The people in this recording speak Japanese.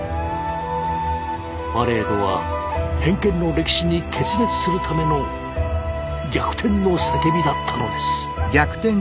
パレードは偏見の歴史に決別するための逆転の叫びだったのです。